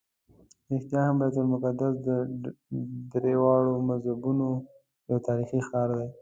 رښتیا هم بیت المقدس د درېواړو مذهبونو یو تاریخي ښار دی.